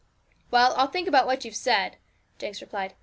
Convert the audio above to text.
'Well, I'll think about what you've said,' Jinx replied.